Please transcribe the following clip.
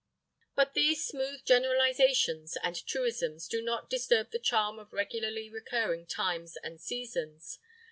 But these smooth generalizations and truisms do not disturb the charm of regularly recurring times and seasons.